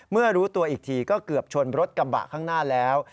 เมื่อรู้ตัวอีกทีก็เกือบชนรถกระบะข้างหน้าแล้ว